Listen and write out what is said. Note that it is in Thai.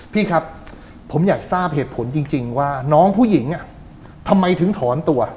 พี่ครับผมอยากทราบเหตุผลจริงว่าน้องผู้หญิงทำไมถึงถอนตัว